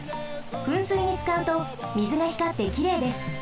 ふんすいにつかうとみずがひかってきれいです。